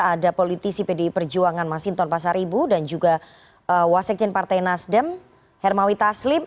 ada politisi pdi perjuangan masinton pasar ibu dan juga wasekjen partai nasdem hermawi taslim